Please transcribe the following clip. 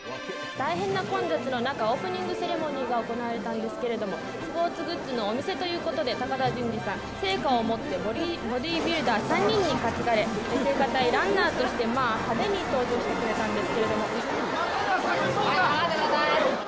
大変な混雑の中、オープニングセレモニーが行われたんですけども、スポーツグッズのお店ということで、高田純次さん、聖火を持って、ボディービルダー３人に担がれ、せいか隊ランナーとして、まあ、派手に登場してくれたんです